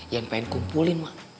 ian pengen kumpulin mak